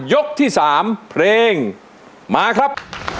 ยกที่๓เพลงมาครับ